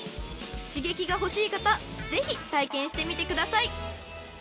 ［刺激が欲しい方ぜひ体験してみてください］